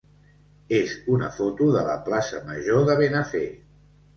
és una foto de la plaça major de Benafer.